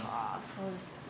そうですよね。